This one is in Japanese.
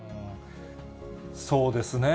そうですね。